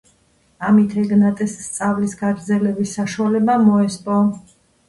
ამით ეგნატეს სწავლის გაგრძელების საშუალება მოესპო.